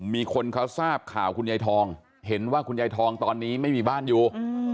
มีคนเขาทราบข่าวคุณยายทองเห็นว่าคุณยายทองตอนนี้ไม่มีบ้านอยู่